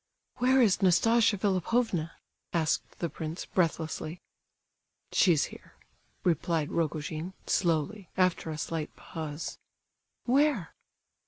"Where is Nastasia Philipovna?" asked the prince, breathlessly. "She's here," replied Rogojin, slowly, after a slight pause. "Where?"